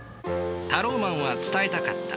タローマンは伝えたかった。